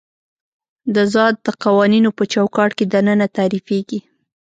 د ذات د قوانینو په چوکاټ کې دننه تعریفېږي.